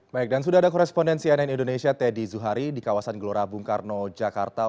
baik dan sudah ada korespondensi ann indonesia teddy zuhari di kawasan gelora bung karno jakarta